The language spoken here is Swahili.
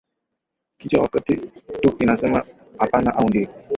kichwa wakati Turk inasema hapana au ndiyo